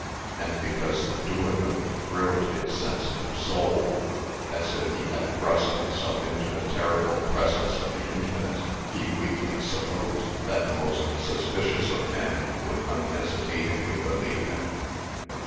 And, because the doing of it thrilled his sensitive soul, as if he had thrust himself into the terrible presence of the Infinite, he weakly supposed that the most suspicious of men would unhesitatingly believe him.